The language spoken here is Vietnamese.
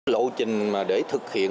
lộ trình để thực hiện